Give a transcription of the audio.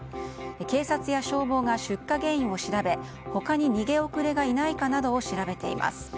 警察や消防が出火原因を調べ他に逃げ遅れがいないかを調べています。